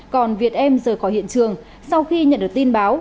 còn việt em rời khỏi hiện trường sau khi nhận được tin báo